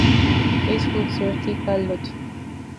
اس خوبصورتی کا لطف